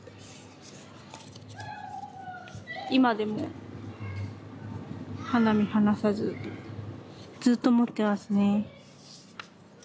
今でも肌身離さずずっと持ってますね。